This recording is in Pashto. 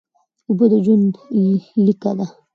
اوبه د ژوند لیکه ده